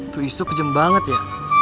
tuh isu kejem banget ya